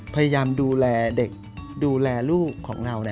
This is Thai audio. พยายามดูแลเด็กดูแลลูกของเรา